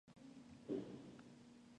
Se ubica en la zona noroeste de la ciudad.